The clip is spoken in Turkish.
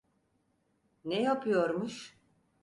Ne yapıyormuş?